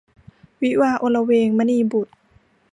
วิวาห์อลเวง - มณีบุษย์